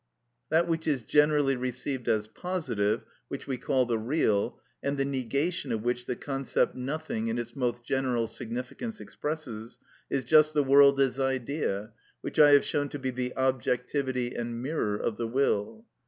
That which is generally received as positive, which we call the real, and the negation of which the concept nothing in its most general significance expresses, is just the world as idea, which I have shown to be the objectivity and mirror of the will.